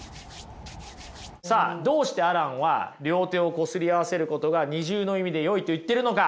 さあどうしてアランは両手をこすり合わせることが二重の意味でよいと言っているのか？